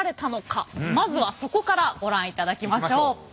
まずはそこからご覧いただきましょう。